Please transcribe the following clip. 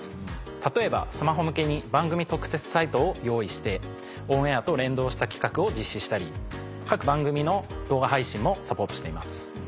例えばスマホ向けに番組特設サイトを用意してオンエアと連動した企画を実施したり各番組の動画配信もサポートしています。